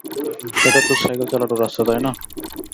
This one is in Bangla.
এটা তো সাইকেল চালানোর রাস্তা, তাই না?